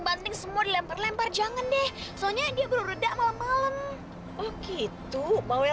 banting piring semua lempar lempar jangan deh soalnya dia berudak malem malem oh gitu bahwa